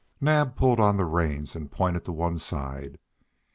Naab pulled on the reins, and pointed to one side.